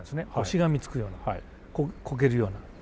しがみつくようなこけるような。